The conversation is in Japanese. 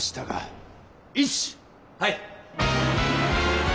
はい！